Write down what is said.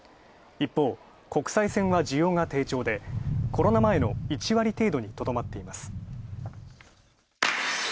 一方、国際線は需要が低調でコロナ前の１割り程度にとどまっています。